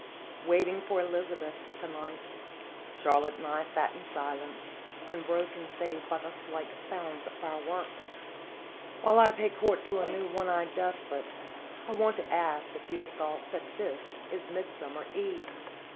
Waiting for Elizabeth to night, Charlotte and I sat in silence, unbroken save by the slight sounds of our work. " While I pay court to a new ' one eyed des pot,' I want to ask if you have thought that this is Midsummer Eve?"